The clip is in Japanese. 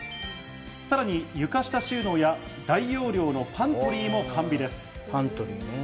さらに床下収納や大容量のパントリーも完備です。